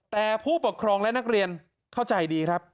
แต่ผู้ปกครองและนักเรียนเข้าใจดีครับ